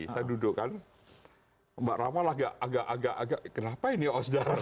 saya duduk kan mbak rama agak agak kenapa ini osdar